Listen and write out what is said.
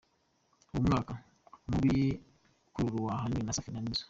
Uwo mwuka mubi ukururwa ahanini na Safi na Nizzo.